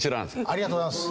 ありがとうございます。